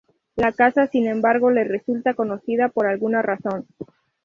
La casa, sin embargo, le resulta conocida por alguna razón.